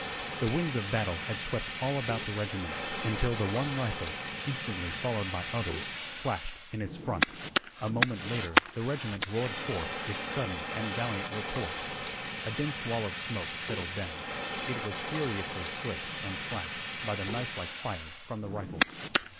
The winds of battle had swept all about the regiment, until the one rifle, instantly followed by others, flashed in its front. A moment later the regiment roared forth its sudden and valiant retort. A dense wall of smoke settled down. It was furiously slit and slashed by the knifelike fire from the rifles.